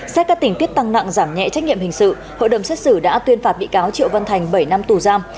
xét các tình tiết tăng nặng giảm nhẹ trách nhiệm hình sự hội đồng xét xử đã tuyên phạt bị cáo triệu văn thành bảy năm tù giam